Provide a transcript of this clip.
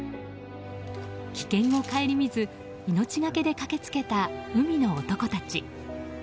危険を顧みず命がけで駆けつけた海の男たち。